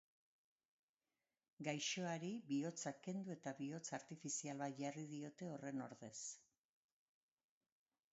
Gaixoari bihotza kendu eta bihotz artifizial bat jarri diote horren ordez.